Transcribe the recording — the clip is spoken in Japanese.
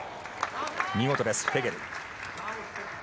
見事です、フェゲル。